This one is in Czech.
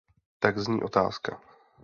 Tak zní otázka.